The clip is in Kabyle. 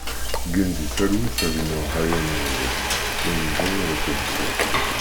Gen di talwit a gma Haya Nureddin, d awezɣi ad k-nettu!